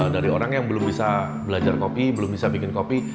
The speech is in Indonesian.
dari orang yang belum bisa belajar kopi belum bisa bikin kopi